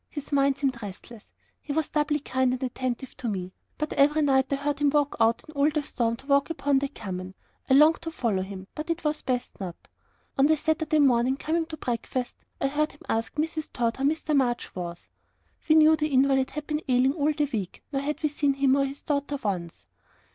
His mind seemed restless he was doubly kind and attentive to me; but every night I heard him go out in all the storm to walk upon the common. I longed to follow him, but it was best not. On the Saturday morning, coming to breakfast, I heard him ask Mrs. Tod how Mr. March was? We knew the invalid had been ailing all the week, nor had we seen him or his daughter once.